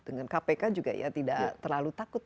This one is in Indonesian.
dengan kpk juga ya tidak terlalu takut